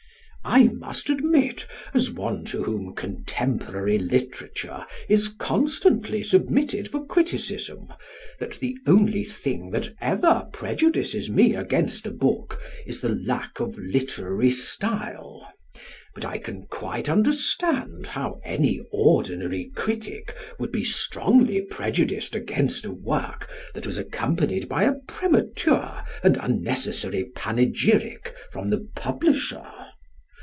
I must admit, as one to whom contemporary literature is constantly submitted for criticism, that the only thing that ever prejudices me against a book is the lack of literary style; but I can quite understand how any ordinary critic would be strongly prejudiced against a work that was accompanied by a premature and unnecessary panegyric from the publisher.